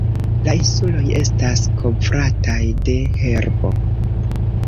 La insuloj estas kovrataj de herbo.